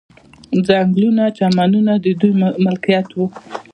ځنګلونه او چمنونه د دوی ملکیت وو.